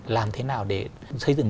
làm thế nào để xây dựng